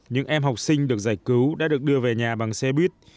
những em học sinh được giải cứu đã được đưa về nhà bằng xe buýt